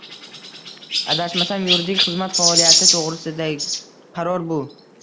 Adashmasam, yuridik xizmat faoliyati to'g'risida qaror bu